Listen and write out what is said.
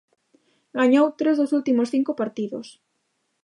Gañou tres dos últimos cinco partidos.